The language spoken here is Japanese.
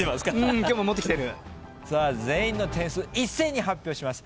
全員の点数一斉に発表します。